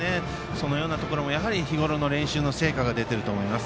そのようなところも日ごろの練習の成果が出ていると思います。